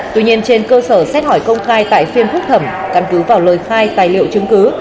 theo hỏi công khai tại phiên phúc thẩm căn cứ vào lời khai tài liệu chứng cứ